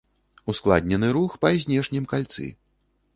Ускладнены рух па знешнім кальцы.